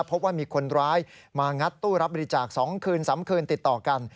พบว่ามีคนร้ายมางัดตู้รับบริจาค๒คืน๓คืนติดต่อกัน